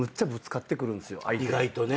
意外とね。